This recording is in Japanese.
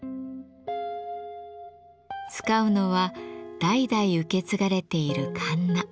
使うのは代々受け継がれているかんな。